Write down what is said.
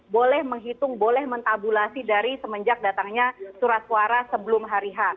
boleh menghitung boleh mentabulasi dari semenjak datangnya surat suara sebelum hari h